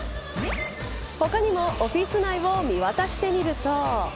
他にもオフィス内を見渡してみると。